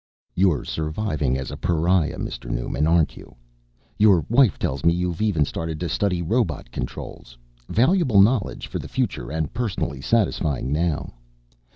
"You're surviving as a pariah, Mr. Newman, aren't you? Your wife tells me you've even started to study robot controls, valuable knowledge for the future and personally satisfying now.